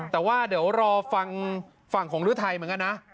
แต่ว่าเดี๋ยวรอฟังฝั่งของฤทัยเหมือนกันนะ